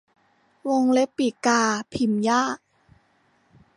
วงเล็บปีกกาพิมพ์ยาก